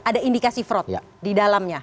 ada indikasi fraud di dalamnya